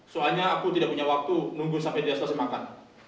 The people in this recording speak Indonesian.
soalnya aku tidak punya waktu nunggu sampai di astas makan